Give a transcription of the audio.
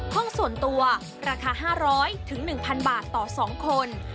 ห้องส่วนตัวราคา๕๐๐๑๐๐บาทต่อ๒คน